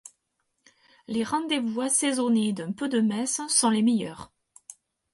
Les rendez-vous assaisonnés d’un peu de messe sont les meilleurs.